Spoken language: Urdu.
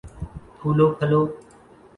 پھولو پھلو